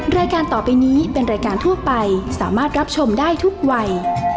รายการต่อไปนี้เป็นรายการทั่วไปสามารถรับชมได้ทุกวัย